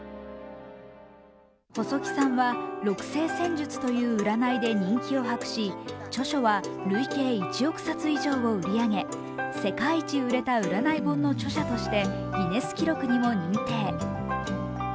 細木さんは六星占術という占いで人気を博し、著書は累計１億冊以上を売り上げ、世界一売れた占い本の著者としてギネス記録にも認定。